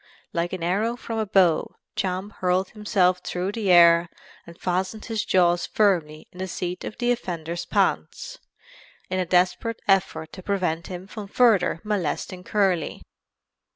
Like an arrow from a bow Champ hurled himself through the air and fastened his jaws firmly in the seat of the offender's pants, in a desperate effort to prevent him from further molesting Curly."